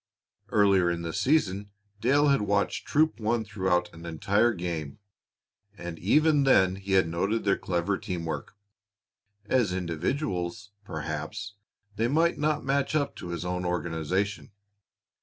Earlier in the season, Dale had watched Troop One throughout an entire game, and even then he had noted their clever team work. As individuals, perhaps, they might not match up to his own organization.